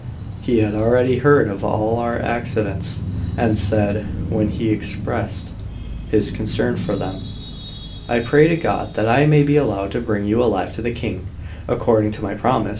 He had already heard of all our accidents, and said, when he expressed his concern for them: "I pray to God that I may be allowed to bring you alive to the King, according to my promise."